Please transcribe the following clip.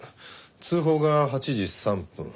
通報が８時３分。